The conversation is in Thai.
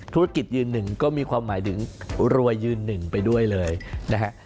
ธุรกิจยืนหนึ่งก็มีความหมายถึงรวยยืนหนึ่งไปด้วยเลยนะฮะ